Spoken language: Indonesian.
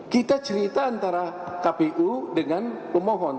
kita cerita antara kpu dengan pemohon